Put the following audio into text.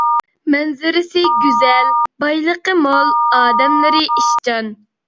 مەنزىرىسى گۈزەل، بايلىقى مول، ئادەملىرى ئىشچان.